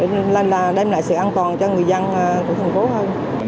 cho nên là đem lại sự an toàn cho người dân của thành phố hơn